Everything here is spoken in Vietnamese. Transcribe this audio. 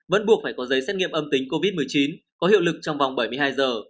vẫn buộc phải có giấy xét nghiệm âm tính covid một mươi chín có hiệu lực trong vòng bảy mươi hai giờ